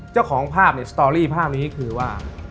เจ้าของภาพในสตอรี่ภาพนี้คือว่า